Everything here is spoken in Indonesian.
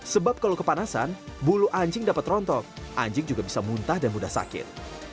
sebab kalau kepanasan bulu anjing dapat rontok anjing juga bisa muntah dan mudah sakit